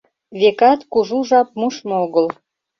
Векат, кужу жап мушмо огыл.